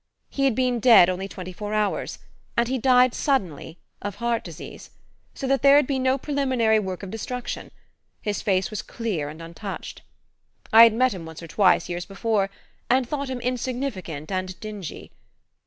He had been dead only twenty four hours, and he died suddenly, of heart disease, so that there had been no preliminary work of destruction his face was clear and untouched. I had met him once or twice, years before, and thought him insignificant and dingy.